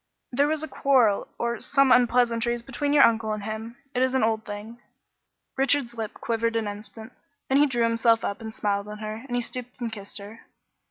"There was a quarrel or some unpleasantness between your uncle and him; it's an old thing." Richard's lip quivered an instant, then he drew himself up and smiled on her, then he stooped and kissed her.